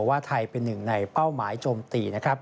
ว่าไทยเป็นหนึ่งในเป้าหมายโจมตีนะครับ